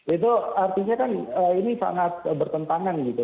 itu artinya kan ini sangat bertentangan gitu